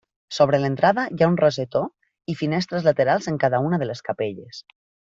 Sobre l'entrada hi ha un rosetó i finestres laterals en cada una de les capelles.